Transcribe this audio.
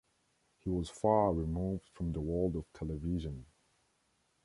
He was far removed from the world of television.